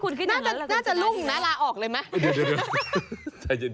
น่าจะลุ่งนะลาออกเลยไหม